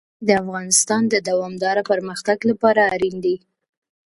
ژمی د افغانستان د دوامداره پرمختګ لپاره اړین دي.